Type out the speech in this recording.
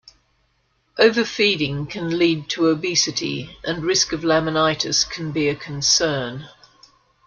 Overfeeding can lead to obesity, and risk of laminitis can be a concern.